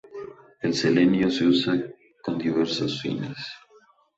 El selenio se usa con diversos fines.